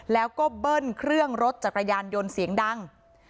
แล้วก็เบิ้ลเครื่องรถจักรยานยนต์เสียงดัง